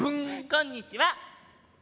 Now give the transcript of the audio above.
こんにちは。